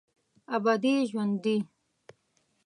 ابدي ژوندي